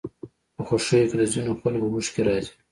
په خوښيو کې د ځينو خلکو اوښکې راځي.